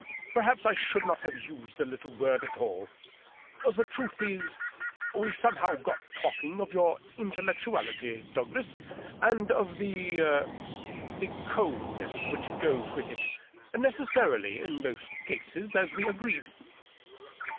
Perhaps I should not have used the little word at all. .. The truth is, we somehow got talking of your intellectuality, Douglas, and of the •. the coldness which goes with it —necessarily in most such cases, as we agreed."